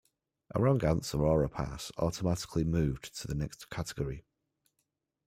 A wrong answer or a pass automatically moved to the next category.